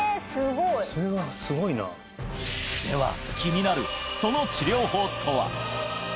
すごいそれはすごいなでは気になるその治療法とは？